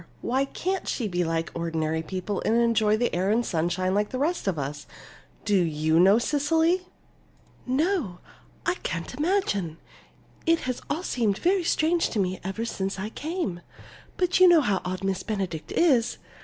Why can't she be like ordinary people and enjoy the air and sunshine like the rest of us? Do you know, Cecily?" "No, I can't imagine. It has all seemed very strange to me ever since I came. But you know how odd Miss Benedict is.